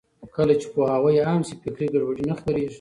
کله چې پوهاوی عام شي، فکري ګډوډي نه خپرېږي.